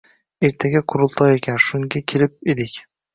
Ertaga qurultoy ekan, shunga kelib edik.